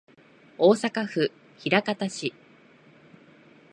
大阪府枚方市